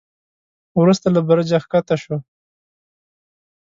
وروسته له برجه کښته شو.